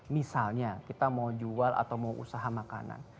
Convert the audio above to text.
misalnya kita mau jual atau mau usaha makanan